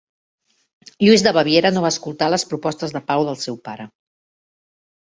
Lluís de Baviera no va escoltar les propostes de pau del seu pare.